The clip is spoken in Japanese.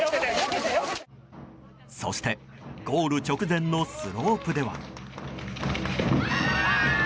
そしてゴール直前のスロープでは。